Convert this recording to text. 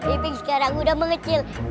iping sekarang udah mengecil